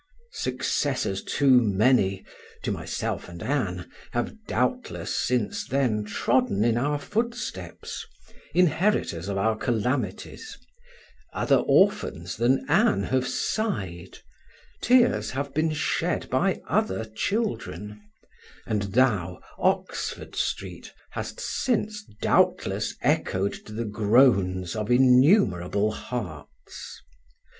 Successors too many, to myself and Ann, have doubtless since then trodden in our footsteps, inheritors of our calamities; other orphans than Ann have sighed; tears have been shed by other children; and thou, Oxford Street, hast since doubtless echoed to the groans of innumerable hearts.